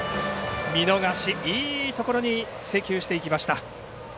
見逃し、いいところに制球していきました。